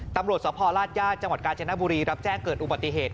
ตำรวจสพลาดญาติจังหวัดกาญจนบุรีรับแจ้งเกิดอุบัติเหตุ